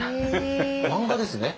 漫画ですね？